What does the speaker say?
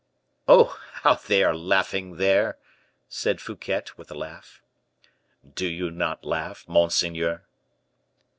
"Oh, how they are laughing there!" said Fouquet, with a sigh. "Do you not laugh, monseigneur?"